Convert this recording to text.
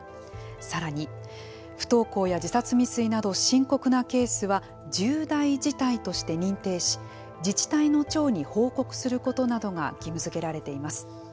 さらに、不登校や自殺未遂など深刻なケースは「重大事態」として認定し自治体の長に報告することなどが義務付けられています。